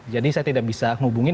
jadi saya tidak bisa hubungin